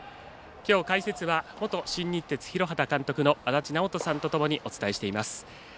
きょう解説は元新日鉄広畑監督の足達尚人さんとともにお伝えしています。